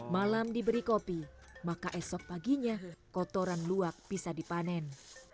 malam diberi kopi maka esok paginya kotoran luak bisa dipanen